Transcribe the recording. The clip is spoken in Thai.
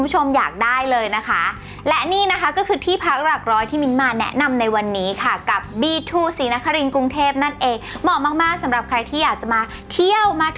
ห้องนี้นะคะราคาอยู่ที่๙๙๙บาท